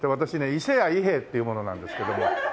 伊勢屋伊兵衛っていう者なんですけども。